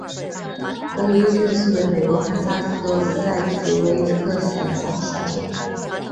格里利镇区为美国堪萨斯州塞奇威克县辖下的镇区。